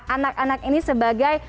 anak anak ini sebagai